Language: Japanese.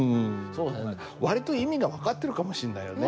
割と意味が分かってるかもしんないよね。